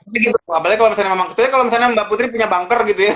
soalnya kalo misalnya mbak putri punya bunker gitu ya